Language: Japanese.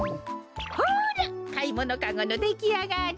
ほらかいものカゴのできあがり！